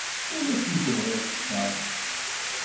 Ur asent-bɣiɣ cceṛ.